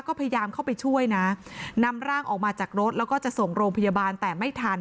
ก็พยายามเข้าไปช่วยนะนำร่างออกมาจากรถแล้วก็จะส่งโรงพยาบาลแต่ไม่ทัน